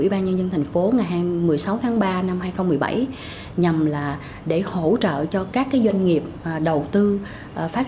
ủy ban nhân dân thành phố ngày một mươi sáu tháng ba năm hai nghìn một mươi bảy nhằm để hỗ trợ cho các doanh nghiệp đầu tư phát